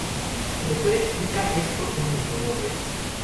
El autor explica esto en sus memorias.